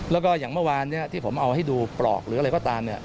แล้วก็อย่างเมื่อวานที่ผมเอาให้ดูปลอกหรืออะไรก็ตาม